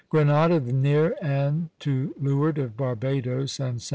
Grenada, near and to leeward of Barbadoes and Sta.